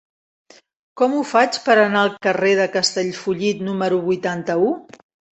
Com ho faig per anar al carrer de Castellfollit número vuitanta-u?